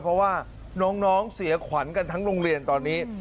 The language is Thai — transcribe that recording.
เพราะว่าน้องเสียขวัญกันทั้งโรงเรียนตอนนี้